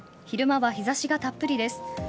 昼間は日差しがたっぷりです。